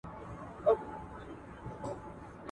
ارواپوهنه د انسان دننه نړۍ ته ورګوري.